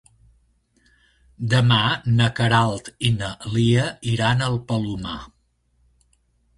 Demà na Queralt i na Lia iran al Palomar.